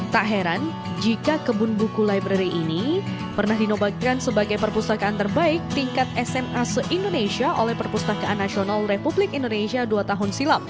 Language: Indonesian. tak heran jika kebun buku library ini pernah dinobatkan sebagai perpustakaan terbaik tingkat sma se indonesia oleh perpustakaan nasional republik indonesia dua tahun silam